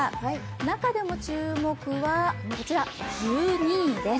中でも注目は１２位です。